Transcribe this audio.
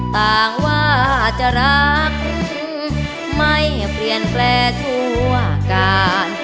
ต่างว่าจะรักไม่เปลี่ยนแปลงชั่วการ